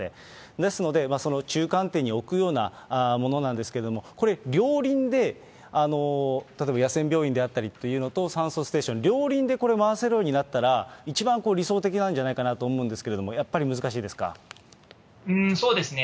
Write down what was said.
ですので、その中間点に置くようなものなんですけれども、両輪で、例えば野戦病院であったりというのと酸素ステーション、両輪でこれを回せるようになったら、一番理想的なんじゃないかなと思うんですけれども、やっぱり難しそうですね。